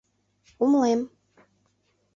— Умылем.